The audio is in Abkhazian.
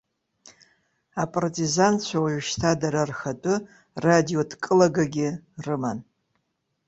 Апартизанцәа ожәшьҭа дара рхатәы радиодкылагагьы рыман.